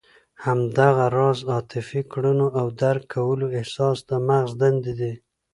همدغه راز عاطفي کړنو او درک کولو احساس د مغز دندې دي.